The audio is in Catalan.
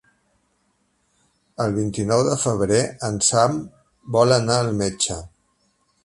El vint-i-nou de febrer en Sam vol anar al metge.